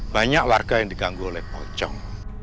banyak warga yang diganggu oleh pocong